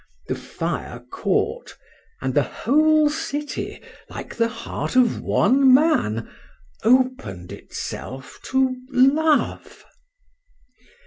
—The fire caught—and the whole city, like the heart of one man, open'd itself to Love.